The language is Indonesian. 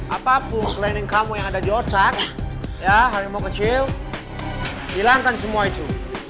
apapun selain kamu yang ada di otak harimau kecil hilangkan semua itu